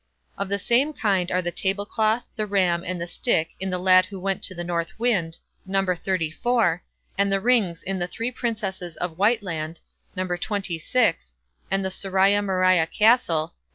Of the same kind are the tablecloth, the ram, and the stick in "the Lad who went to the North Wind", No. xxxiv, and the rings in "the Three Princesses of Whiteland", No. xxvi, and in "Soria Moria Castle", No.